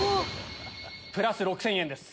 プラス６０００円です。